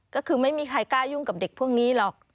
ก็คือไม่มีใครกล้ายุ่งกับเด็กพวกนี้หรอก